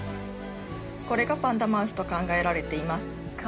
これがパンダマウスと考えられています